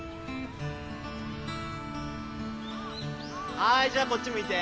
はいじゃあこっち向いて。